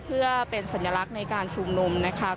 เพื่อเป็นสัญลักษณ์ในการชุมนุมนะคะ